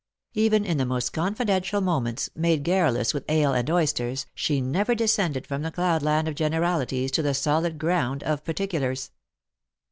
Even in the most confidential moments, made garrulous with ale and oysters, she never descended from the cloudland of generalities to the solid ground of particulars.